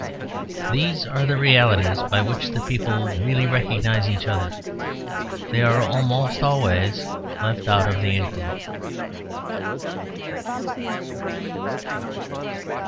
These are the realities by which the people really recognise each other. They are almost always left out of the inquiry.